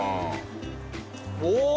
おお！